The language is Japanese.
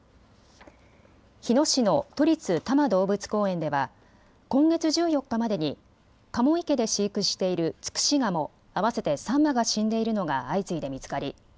日野市の都立多摩動物公園では今月１４日までにカモ池で飼育しているツクシガモ合わせて３羽が死んでいるのが相次いで見つかり